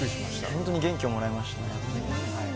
本当に元気をもらいました。